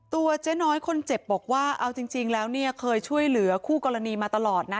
เจ๊น้อยคนเจ็บบอกว่าเอาจริงแล้วเนี่ยเคยช่วยเหลือคู่กรณีมาตลอดนะ